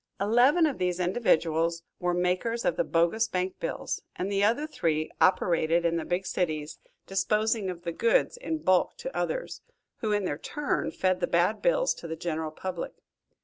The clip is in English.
Eleven of these individuals were makers of the bogus bank bills, and the other three operated in the big cities, disposing of the "goods" in bulk to others, who in their turn, fed the bad bills to the general public.